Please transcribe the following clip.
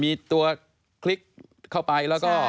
มีตัวคลิกเข้าไปแล้วก็